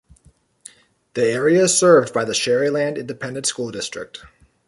The area is served by the Sharyland Independent School District.